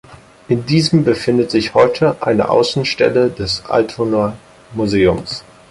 In diesem befindet sich heute eine Außenstelle des Altonaer Museums.